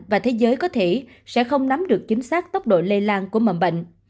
và thế giới có thể sẽ không nắm được chính xác tốc độ lây lan của mầm bệnh